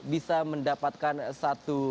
bisa mendapatkan satu